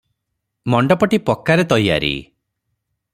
ମଣ୍ଡପଟି ପକ୍କାରେ ତୟାରି ।